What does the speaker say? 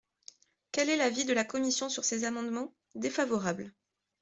Quel est l’avis de la commission sur ces amendements ? Défavorable.